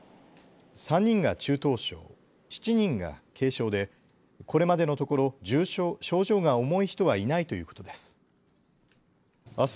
３人が中等症、７人が軽症でこれまでのところ症状が重い人はいないということです。